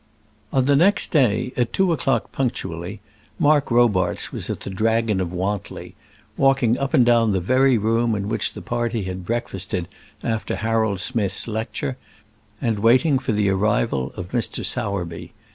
On the next day, at two o'clock punctually, Mark Robarts was at the "Dragon of Wantly," walking up and down the very room in which the party had breakfasted after Harold Smith's lecture, and waiting for the arrival of Mr. Sowerby.